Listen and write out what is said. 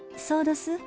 そうどす。